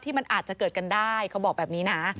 มันอาจจะเกิดกันได้เขาบอกแบบนี้นะ